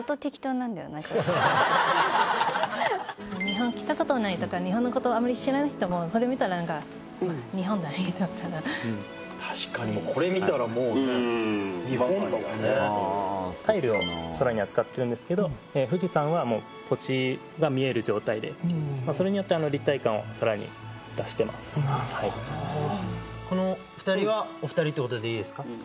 なんだよな日本来たことないとか日本のことあまり知らない人もこれ見たら何か日本が・確かにこれ見たらもうね日本だもんねタイルを空には使ってるんですけど富士山はもうポッチが見える状態でそれによってあの立体感をさらに出してます・ああなるほどこの２人はお二人ってことでいいですか？